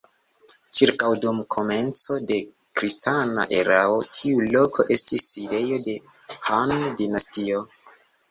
Ĉirkaŭ dum komenco de kristana erao tiu loko estis sidejo de Han-dinastio.